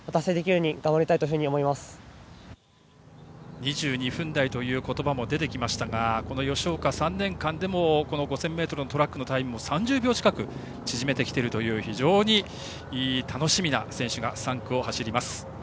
２２分台という言葉も出てきましたがこの吉岡、３年間でも５０００ｍのトラックのタイムを３０秒近く縮めてきている非常に楽しみな選手が３区を走ります。